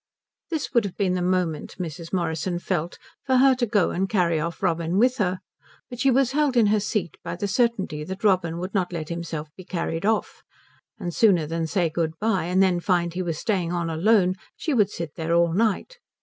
This would have been the moment, Mrs. Morrison felt, for her to go and to carry off Robin with her, but she was held in her seat by the certainty that Robin would not let himself be carried off; and sooner than say good bye and then find he was staying on alone she would sit there all night.